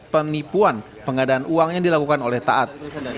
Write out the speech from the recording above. penipuan pengadaan uang yang dilakukan oleh taat